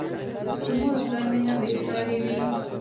د مور او پلار مینه بې سارې وي.